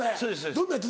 どんなやつ？